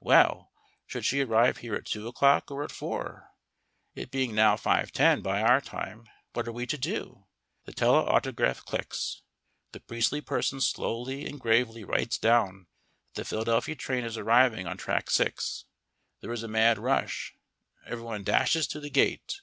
Well, should she arrive here at two o'clock or at four? It being now 5:10 by our time, what are we to do? The telautograph clicks. The priestly person slowly and gravely writes down that the Philadelphia train is arriving on Track 6. There is a mad rush: everyone dashes to the gate.